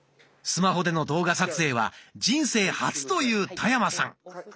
スマホでの動画撮影は人生初という田山さん。